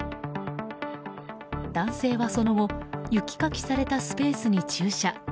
男性はその後雪かきされたスペースに駐車。